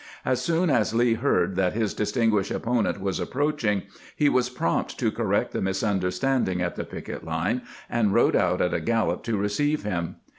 As soon as Lee heard that his distinguished opponent was approaching, he was prompt to correct the misunderstanding at the picket line, and rode out at a gallop to receive him.